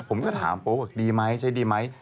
ผมก็ถามโป๊บอกดีไหมใช้ดีไหม